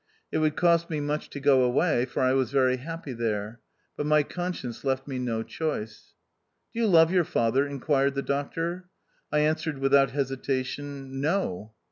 It would cost me much to go away, for I was very happy there ; but my conscience left me no choice. " Do you love your father ?" inquired the doctor. I answered without hesitation, " No."